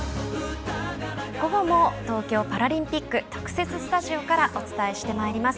午後も東京パラリンピック特設スタジオからお伝えしてまいります。